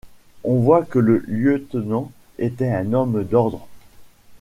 On voit que le lieutenant était un homme d’ordre.